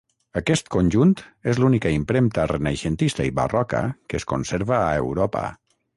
Aquest conjunt és l'única impremta renaixentista i barroca que es conserva a Europa.